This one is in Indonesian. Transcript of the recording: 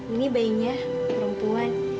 ini bayinya perempuan